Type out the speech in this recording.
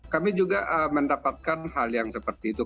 kami juga mendapatkan hal yang seperti itu